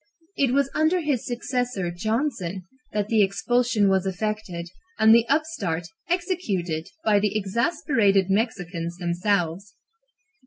It was under his successor, Johnson, that the expulsion was effected and the upstart executed by the exasperated Mexicans themselves.